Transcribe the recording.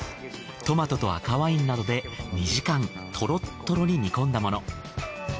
トマトと赤ワインなどで２時間トロットロに煮込んだもの。